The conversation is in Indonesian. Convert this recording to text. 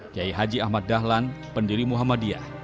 kiai haji ahmad dahlan pendiri muhammadiyah